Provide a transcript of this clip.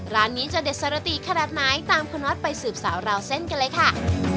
ร้านนี้จะเด็ดสรติขนาดไหนตามคุณน็อตไปสืบสาวราวเส้นกันเลยค่ะ